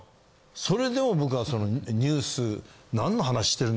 それでも僕はそのニュース。